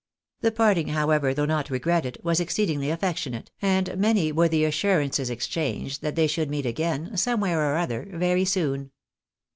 The parting, ho w ever, though not regretted, was exceedingly affectionate, and many were the assurances exchanged that they should meet again, some where or other, very soon.